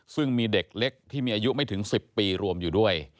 ซึ่งมีเด็กเล็กที่มีอายุไม่ถึง๑๐ปีรวมอยู่ด้วย